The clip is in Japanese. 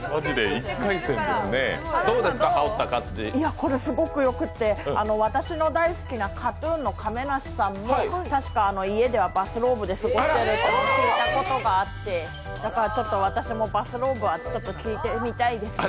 これすごくよくって、私の大好きなＫＡＴ−ＴＵＮの亀梨さんもたしか家ではバスローブで過ごしていると聞いたことがあって、だからちょっと私もバスローブは着てみたいですね。